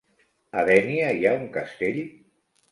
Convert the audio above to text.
A Dénia hi ha un castell?